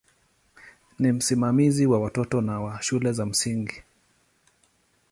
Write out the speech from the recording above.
Ni msimamizi wa watoto na wa shule za msingi.